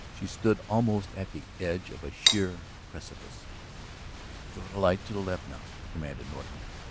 She stood almost at the edge of a sheer precipice. "Throw the light to the left now," commanded Norton.